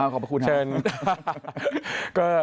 ขอบคุณครับ